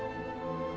mức cao bậc